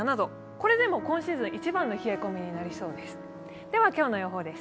これでも今シーズン一番の冷え込みになりそうです。